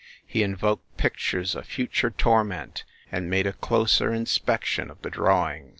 He invoked pictures of future torment and made a closer in spection of the drawing.